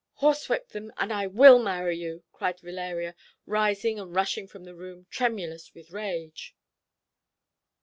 "Horsewhip them, and I will marry you," cried Valeria, rising and rushing from the room, tremulous with rage.